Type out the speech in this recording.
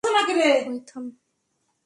অই, থাম!